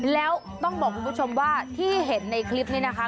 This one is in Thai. แล้วต้องบอกคุณผู้ชมว่าที่เห็นในคลิปนี้นะคะ